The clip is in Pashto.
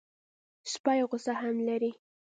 سپي غصه هم لري.